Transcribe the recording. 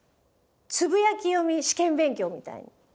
つぶやき読み試験勉強みたいに。